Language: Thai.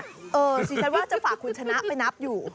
ดิฉันว่าจะฝากคุณชนะไปนับอยู่